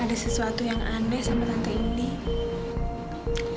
ada sesuatu yang aneh sama tante indi